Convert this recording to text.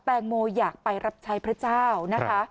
แตงโมอยากไปรับใช้พระเจ้านะคะ